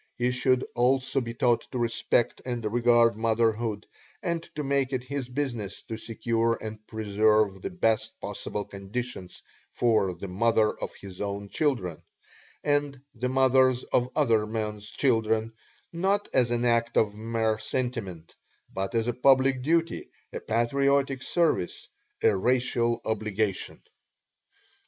He should also be taught to respect and regard motherhood, and to make it his business to secure and preserve the best possible conditions for the mother of his own children, and the mothers of other men's children, not as an act of mere sentiment, but as a public duty, a patriotic service, a racial obligation.